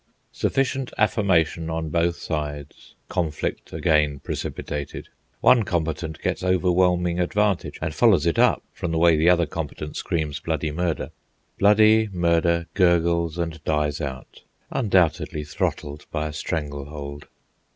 Sufficient affirmation on both sides, conflict again precipitated. One combatant gets overwhelming advantage, and follows it up from the way the other combatant screams bloody murder. Bloody murder gurgles and dies out, undoubtedly throttled by a strangle hold.